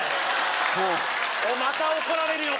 もうまた怒られるよ